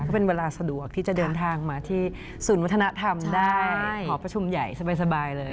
ก็เป็นเวลาสะดวกที่จะเดินทางมาที่ศูนย์วัฒนธรรมได้หอประชุมใหญ่สบายเลย